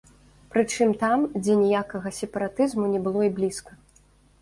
Прычым там, дзе ніякага сепаратызму не было і блізка.